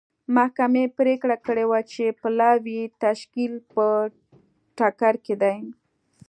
محکمې پرېکړه کړې وه چې پلاوي تشکیل په ټکر کې دی.